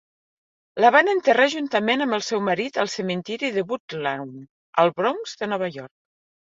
La van enterrar juntament amb el seu marit al cementiri de Woodlawn, al Bronx de Nova York.